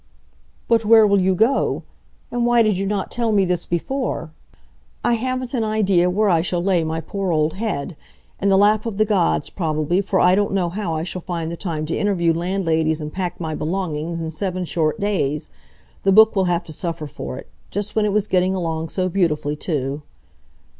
"But where will you go? And why did you not tell me this before?" "I haven't an idea where I shall lay my poor old head. In the lap of the gods, probably, for I don't know how I shall find the time to interview landladies and pack my belongings in seven short days. The book will have to suffer for it. Just when it was getting along so beautifully, too."